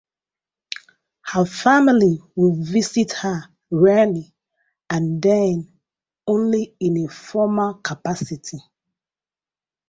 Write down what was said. Her family will visit her rarely, and then only in a formal capacity.